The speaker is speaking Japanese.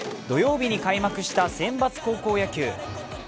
土曜日に開幕した選抜高校野球。